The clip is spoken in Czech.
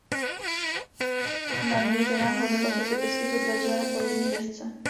Naměřená hodnota se typicky zobrazuje na palubní desce.